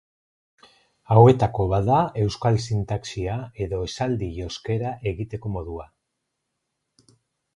Hauetako bat da euskal sintaxia edo esaldi-joskera egiteko modua.